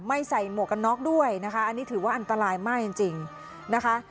ใส่หมวกกันน็อกด้วยนะคะอันนี้ถือว่าอันตรายมากจริงจริงนะคะ